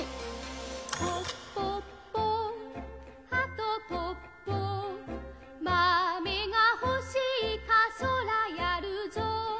「ぽっぽっぽはとぽっぽ」「まめがほしいかそらやるぞ」